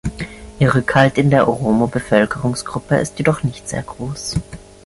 Ihr Rückhalt in der Oromo-Bevölkerungsgruppe ist jedoch nicht sehr groß.